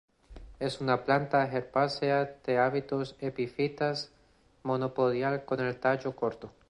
Es una planta herbácea de hábitos epifitas, monopodial con el tallo corto.